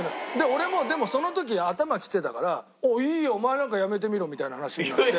俺もでもその時頭きてたから「いいよお前なんか辞めてみろ！」みたいな話になって。